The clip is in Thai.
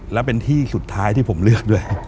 และเป็นที่สุดท้ายที่ผมเลือกด้วย